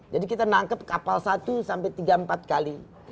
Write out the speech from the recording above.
kita nangkep kapal satu sampai tiga empat kali